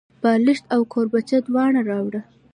بالښت او کوربچه دواړه راوړه.